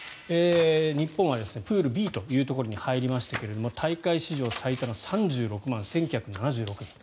日本はプールＢというところに入りましたが大会史上最多の３６万１９７６人。